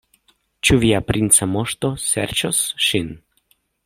Ĉu via princa moŝto serĉos ŝin?